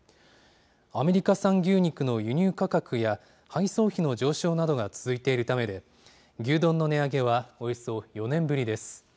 アメリカ産牛肉の輸入価格や、配送費の上昇などが続いているためで、牛丼の値上げはおよそ４年ぶりです。